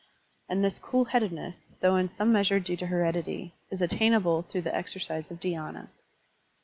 And this cool headedness, though in some meas tire due to heredity, is attainable through the exercise of dhy^na.